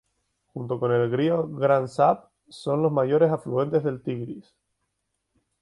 Junto con el río Gran Zab, son los mayores afluentes del Tigris.